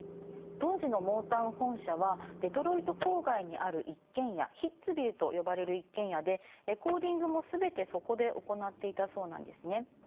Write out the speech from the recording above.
当時のモータウン本社はデトロイト郊外にある一軒家ヒッツヴィルと呼ばれる一軒家でレコーディングも全てそこで行っていたそうなんですね。